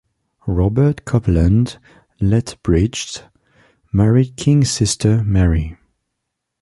Robert Copeland Lethbridge married King's sister, Mary.